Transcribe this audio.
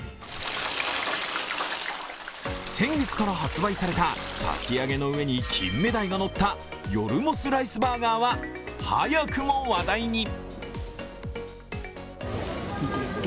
先月から発売された、かき揚げの上に金目鯛が乗った夜モスライスバーガーは早くも話題に。